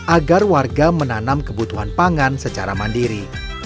agar warga menanam kebutuhan pangan secara mandiri